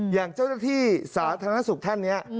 อย่างเจ้าหน้าที่สาธารณสุขท่านนี้